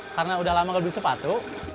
karena udah lama gak beli sepatu